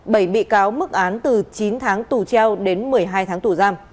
bảy bị cáo mức án từ chín tháng tù treo đến một mươi hai tháng tù giam